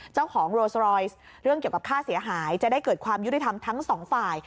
เจ้าของโรสรอยเรื่องเกี่ยวกับค่าเสียหายจะได้เกิดความยุติธรรมทั้งสองฝ่าย